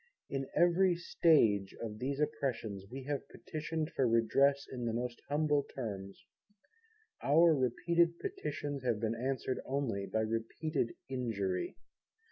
In every stage of these Oppressions We have Petitioned for Redress in the most humble terms: Our repeated Petitions have been answered only by repeated injury.